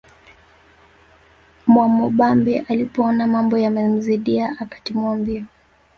Mwamubambe alipoona mambo yamemzidia akatimua mbio